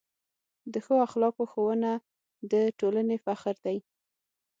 د ښو اخلاقو ښوونه د ټولنې فخر دی.